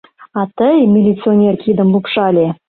А тый!.. — милиционер кидым лупшале.